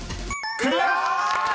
［クリア！］